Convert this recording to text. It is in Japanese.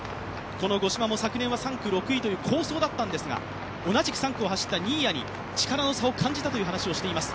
五島も昨年は３区６位という好走だったんですが、同じく３区を走った新谷に力の差を感じたと話しています。